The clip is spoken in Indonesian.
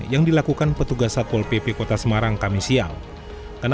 yang dilakukan petugas satpol pp kota semarang kamisial